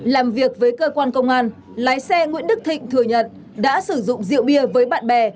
làm việc với cơ quan công an lái xe nguyễn đức thịnh thừa nhận đã sử dụng rượu bia với bạn bè